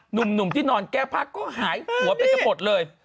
หนุ่มที่นอนแก้พักก็หายหัวเป็นจะหมดเลย